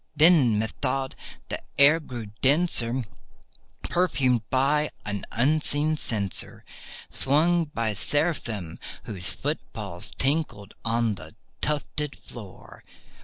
Then, methought, the air grew denser, perfumed from an unseen censer Swung by Seraphim whose foot falls tinkled on the tufted floor.